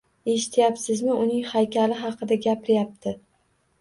Eshityapsizmi, uning haykali haqida gapiryapti?